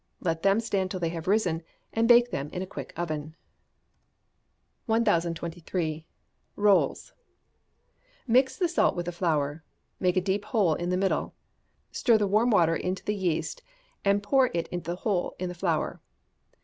let them stand till they have risen, and bake them in a quick oven. 1023. Rolls. Mix the salt with the flour. Make a deep hole in the middle. Stir the warm water into the yeast, and pour it into the hole in the flour.